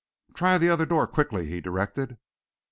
"Try the other door quickly," he directed.